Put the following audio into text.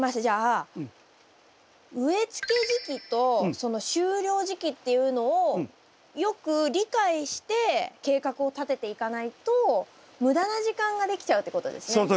じゃあ植えつけ時期とその終了時期っていうのをよく理解して計画を立てていかないと無駄な時間ができちゃうってことですね。